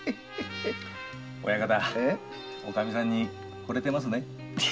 親方おかみさんにほれてますね。